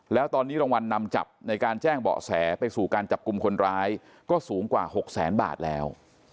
แล้วตอนนี้รางวัลนำจับในการแจ้งเบาะแสไปสู่การจับกลุ่มคนร้ายก็สูงกว่า๖แสนบาทแล้ว